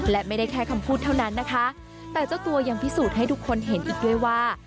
และไม่ได้แค่คำพูดเท่านั้นนะคะแต่เจ้าตัวยังพิสูจน์ให้ทุกคนเห็นอีกด้วยว่า